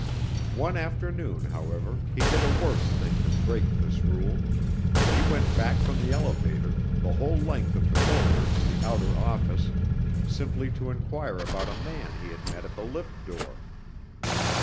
One afternoon, however, he did a worse thing than break this rule. He went back from the elevator, the whole length of the corridor to the outer office, simply to enquire about a man he had met at the lift door.